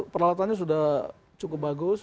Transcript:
peralatannya sudah cukup bagus